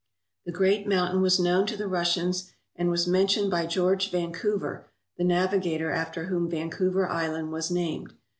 The great mountain was known to the Russians and was mentioned by George Vancouver, the navigator after whom Vancouver Island was named.